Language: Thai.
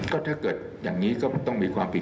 ก็ถ้าเกิดอย่างนี้ก็ต้องมีความผิด